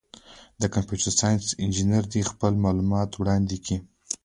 د کمپیوټر ساینس انجینر دي خپل معلومات وړاندي کي.